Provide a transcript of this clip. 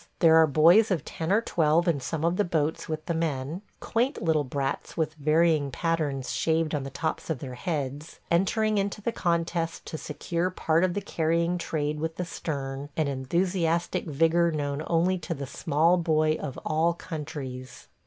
There are boys of ten or twelve in some of the boats with the men – quaint little brats with varying patterns shaved on the tops of their heads, entering into the contest to secure part of the carrying trade with the stern and enthusiastic vigor known only to the small boy of all countries.